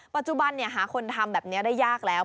ปัจจุบันหาคนทำแบบนี้ได้ยากแล้ว